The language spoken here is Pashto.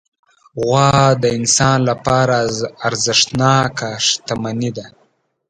غوا د انسان لپاره ارزښتناکه شتمني ده.